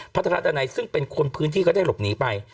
พัฒนาดันัยซึ่งเป็นคนพื้นที่ก็ได้หลบหนีไป